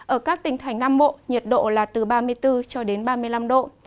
ở các tỉnh thành nam bộ nhiệt độ là từ ba mươi bốn cho đến ba mươi năm độ